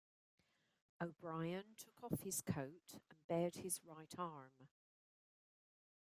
O'Brien took off his coat and bared his right arm.